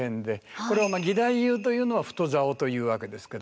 これは義太夫というのは太棹というわけですけど。